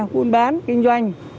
quân bán kinh doanh